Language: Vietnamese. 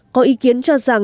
có ý kiến cho rằng